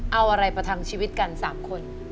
เอาอะไรประทังชีวิตกัน๓คน